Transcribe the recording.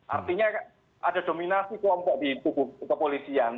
artinya ada dominasi kelompok di tubuh kepolisian